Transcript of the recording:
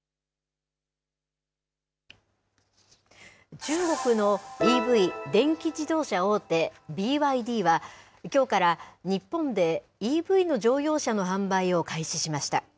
中国のＥＶ・電気自動車大手、ＢＹＤは、きょうから日本でＥＶの乗用車の販売を開始しました。